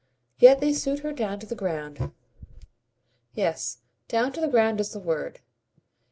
Yet they suit her down to the ground." "Yes down to the ground is the word."